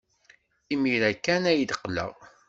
Imir-a kan ay d-qqleɣ.